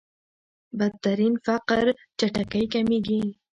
بدترين فقر چټکۍ کمېږي.